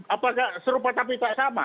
apakah serupa tapi tidak sama